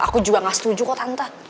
aku juga gak setuju kok tante